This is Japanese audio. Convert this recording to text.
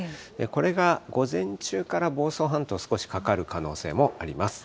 これが午前中から房総半島、少しかかる可能性もあります。